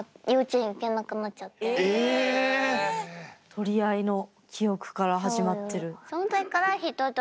取り合いの記憶から始まってる。